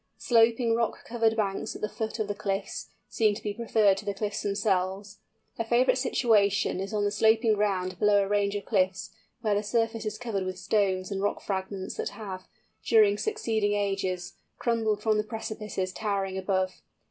Sloping rock covered banks at the foot of the cliffs, seem to be preferred to the cliff themselves. A favourite situation is on the sloping ground below a range of cliffs, where the surface is covered with stones and rock fragments that have, during succeeding ages, crumbled from the precipices towering above.